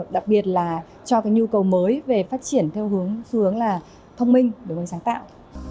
đặc biệt là cho nhu cầu mới về phát triển theo hướng thông minh để sáng tạo